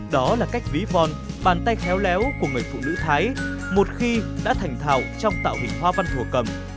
đó là cách ví von bàn tay khéo léo của người phụ nữ thái một khi đã thành thảo trong tạo hình hòa văn thô cầm